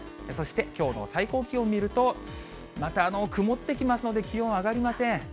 そしてきょうの最高気温を見ると、また曇ってきますので、気温上がりません。